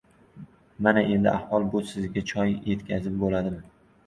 Mana endi ahvol bu: sizga choy yetkazib bo‘ladimi?